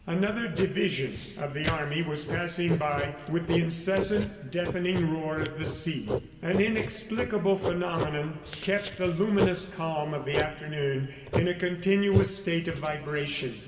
Another division of the army was passing by with the incessant, deafening roar of the sea. An inexplicable phenomenon kept the luminous calm of the afternoon in a continuous state of vibration.